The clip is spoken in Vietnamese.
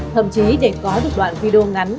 thậm chí để có được đoạn video ngắn